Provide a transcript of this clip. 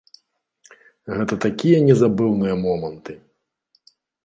Гэта такія незабыўныя моманты!